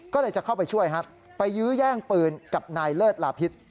ก็เลยจะเข้าไปช่วยครับไปยื้อแย่งปืนกับนายเลิศลาพิษ